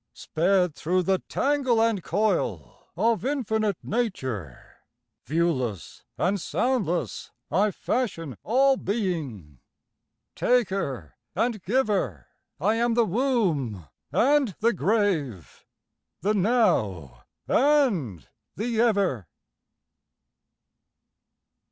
Sped through the tangle and coil Of infinite nature, Viewless and soundless I fashion all being. Taker and giver, I am the womb and the grave, The Now and the Ever.